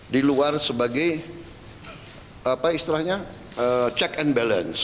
di luar sebagai check and balance